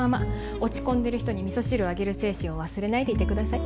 落ち込んでる人にみそ汁をあげる精神を忘れないでいてください。